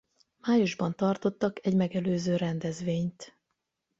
Májusban tartottak egy megelőző rendezvényt.